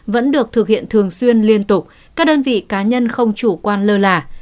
vẫn được thực hiện thường xuyên liên tục các đơn vị cá nhân không chủ quan lơ là